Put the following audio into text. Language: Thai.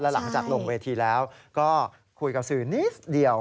หลังจากลงเวทีแล้วก็คุยกับสื่อนิดเดียว